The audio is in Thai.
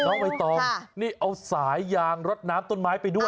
ใบตองนี่เอาสายยางรดน้ำต้นไม้ไปด้วย